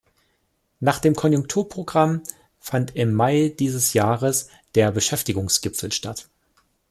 Nach dem Konjunkturprogramm fand im Mai dieses Jahres der Beschäftigungsgipfel statt.